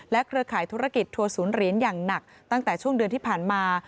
เครือข่ายธุรกิจทัวร์ศูนย์เหรียญอย่างหนักตั้งแต่ช่วงเดือนที่ผ่านมา